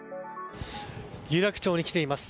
有楽町に来ています。